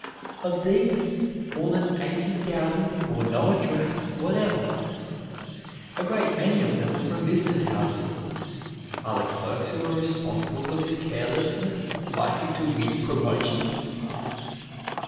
Of these more than eighty thousand bore no address whatever. A great many of them were from business houses. Are the clerks who are responsible for this carelessness likely to win promotion?